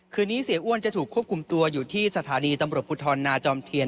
นี้เสียอ้วนจะถูกควบคุมตัวอยู่ที่สถานีตำรวจภูทรนาจอมเทียน